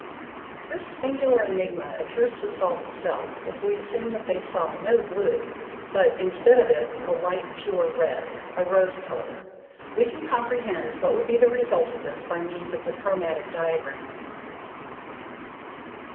This singular enigma appears to solve itself, if we assume that they saw no blue, but, instead of it, a light pure red, a rose colour. We can comprehend what would be the result of this by means of the chromatic diagram. 112.